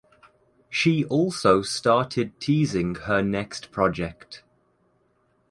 She also started teasing her next project.